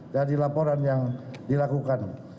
dan di laporan